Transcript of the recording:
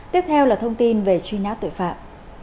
tiếp theo là thông tin về truy nã tội phạm